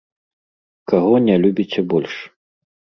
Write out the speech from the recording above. Каго не любіце больш?